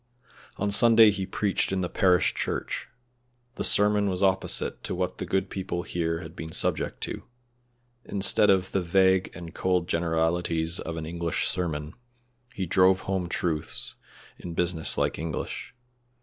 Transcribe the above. On Sunday he preached in the parish church. The sermon was opposite to what the good people here had been subject to; instead of the vague and cold generalities of an English sermon, he drove home truths home in business like English.